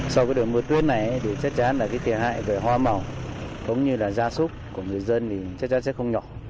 sau cái đường mưa tuyết này thì chắc chắn là cái tiền hại về hoa màu cũng như là gia súc của người dân thì chắc chắn sẽ không nhỏ